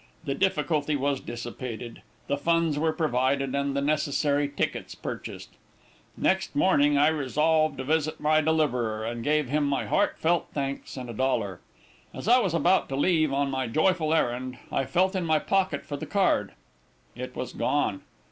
The difficulty was dissipated, the funds were provided, and the necessary tickets purchased. Next morning I resolved to visit my deliverer, and give him my heartfelt thanks and a dollar. As I was about to leave on my joyful errand, I felt in my pocket for the card; it was gone.